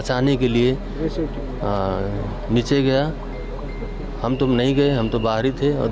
saya tidak pergi saya berada di luar